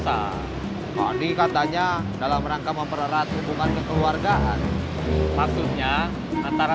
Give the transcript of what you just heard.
anda katanya dalam rangka mempererat hubungan kekeluargaan maksudnya antara